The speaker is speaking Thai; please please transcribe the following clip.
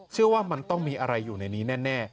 เชื่อว่ามันต้องมีอะไรอยู่ในนี้แน่